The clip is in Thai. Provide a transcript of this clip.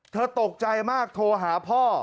ตกใจมากโทรหาพ่อ